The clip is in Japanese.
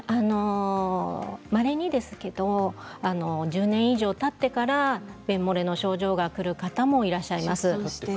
まれにですけれど１０年以上たってから、便もれの症状がくる方もいらっしゃいます。